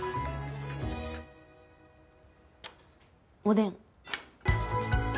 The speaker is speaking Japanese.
おでん。